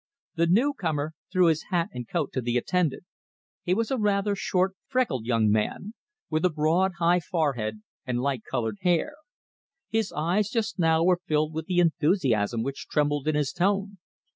The newcomer threw his hat and coat to the attendant. He was a rather short, freckled young man, with a broad, high forehead and light coloured hair. His eyes just now were filled with the enthusiasm which trembled in his tone.